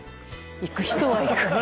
行く人は行く。